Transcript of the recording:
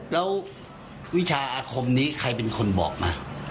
แล้ววิชาอาคมนี้ใครเป็นคนบอกมา